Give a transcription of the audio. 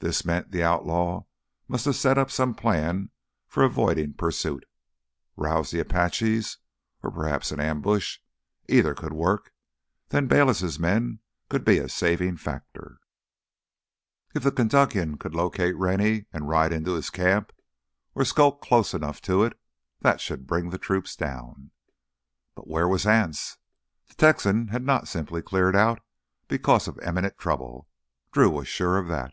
This meant the outlaw must have set up some plan for avoiding pursuit. Rouse the Apaches? Or prepare an ambush? Either could work. Then Bayliss' men could be a saving factor. If the Kentuckian could locate Rennie, and ride in to his camp—or skulk close enough to it—that should bring the troops down. But where was Anse? The Texan had not simply cleared out because of imminent trouble, Drew was sure of that.